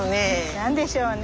何でしょうね。